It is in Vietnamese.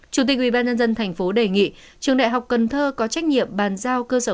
chủ tịch ủy ban nhân dân tp đề nghị trường đại học cần thơ có trách nhiệm bàn giao cơ sở